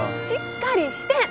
しっかりして！